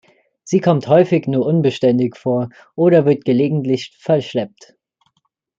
Sie kommt häufig nur unbeständig vor oder wird gelegentlich verschleppt.